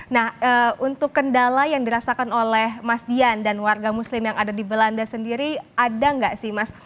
nah untuk kendala yang dirasakan oleh mas dian dan warga muslim yang ada di belanda sendiri ada nggak sih mas